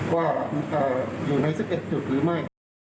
ว่าอยู่ใน๑๑จุดหรือไม่